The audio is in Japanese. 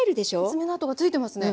爪の痕がついてますね。